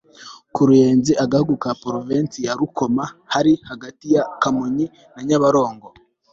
Ku Ruyenzi agahugu ka Provinsi ya Rukoma hari hagati ya Kamonyi na Nyabarongo